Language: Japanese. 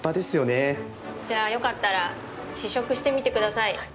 こちら、よかったら試食してみてください。